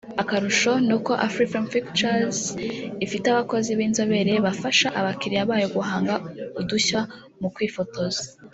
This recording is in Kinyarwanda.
Akarusho ni uko Afrifame Pictures ifite abakozi b’inzobere bafasha abakiriya bayo guhanga udushya mu kwifotoza